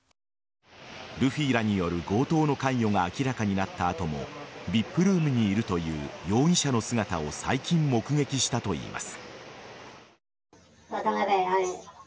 ルフィらによる強盗の関与が明らかになった後もＶＩＰルームにいるという容疑者の姿を最近、目撃したといいます。